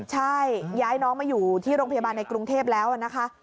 ใช่ย้ายน้องมาอยู่ที่โรงพยาบาลในกรุงเทพแล้วนะคะ